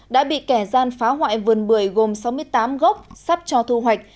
đã bị kẻ gian phá hoại vườn bưởi gồm sáu mươi tám gốc sắp cho thu hoạch